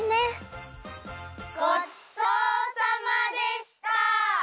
ごちそうさまでした！